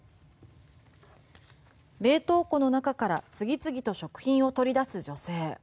冷凍庫の中から次々と食品を取り出す女性。